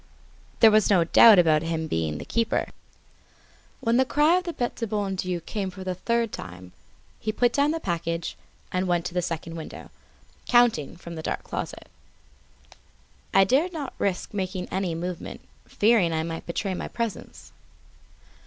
There was no doubt about his being the keeper. As the cry of the Bete du Bon Dieu came for the third time, he put down the package and went to the second window, counting from the dark closet. I dared not risk making any movement, fearing I might betray my presence.